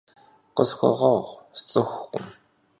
Khısxueğueğu, sts'ıxukhım.